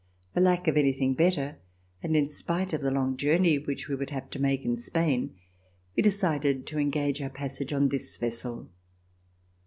For lack of anything better, and in spite of the long journey which we would have to make in Spain, we decided to engage our passage on this vessel.